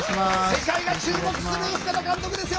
世界が注目する深田監督ですよ！